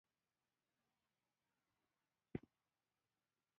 هغه د ازبکستان په اندیجان کې زیږیدلی.